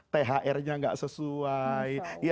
thr nya nggak sesuai